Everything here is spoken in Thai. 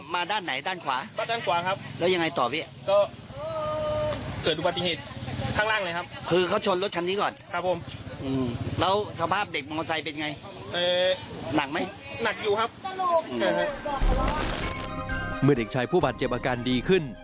เมื่อเด็กชายผู้บาดเจ็บอาการดีขึ้น